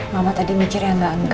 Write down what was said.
mama tadi mikir yang nggak angkat